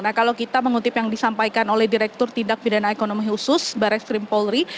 nah kalau kita mengutip yang disampaikan oleh direktur tindak pidana ekonomi khusus barres krim polri